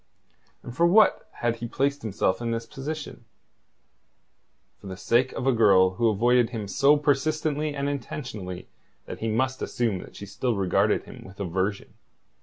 And for what had he placed himself in this position? For the sake of a girl who avoided him so persistently and intentionally that he must assume that she still regarded him with aversion.